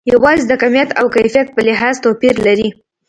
یوازې د کمیت او کیفیت په لحاظ توپیر لري.